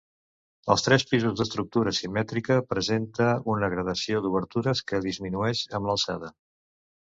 Els tres pisos d'estructura simètrica presenta una gradació d'obertures que disminueix amb l'alçada.